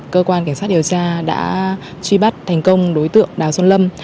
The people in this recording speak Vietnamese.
cơ quan điều tra đã truy bắt thành công đối tượng đào xuân lâm